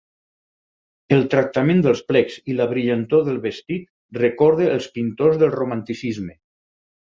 El tractament dels plecs i la brillantor del vestit recorda els pintors del romanticisme.